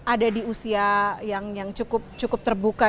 ada di usia yang cukup terbuka